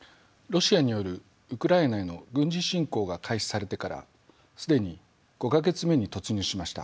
ロシアによるウクライナへの軍事侵攻が開始されてから既に５か月目に突入しました。